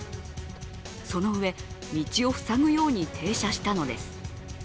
そのうえ、道を塞ぐように停車したのです。